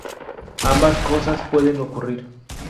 Ambas cosas pueden ocurrir.